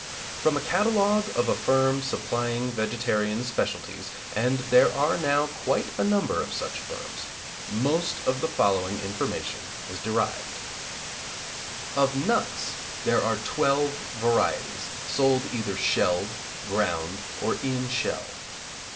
From a catalogue of a firm supplying vegetarian specialties, (and there are now quite a number of such firms), most of the following information is derived: Of nuts there are twelve varieties, sold either shelled, ground, or in shell.